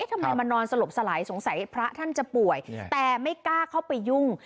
ทำไมมานอนสลบสลายสงสัยพระท่านจะป่วยแต่ไม่กล้าเข้าไปยุ่ง